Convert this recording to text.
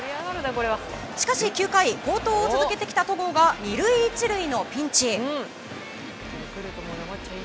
しかし９回、好投を続けてきた戸郷が２塁１塁のピンチ。